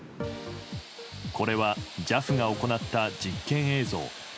これはＪＡＦが行った実験映像。